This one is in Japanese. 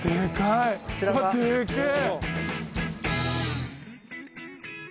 うわでけえ！